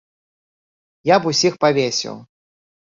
Я б усіх павесіў.